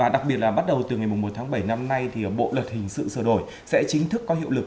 đặc biệt là bắt đầu từ ngày một tháng bảy năm nay thì bộ luật hình sự sửa đổi sẽ chính thức có hiệu lực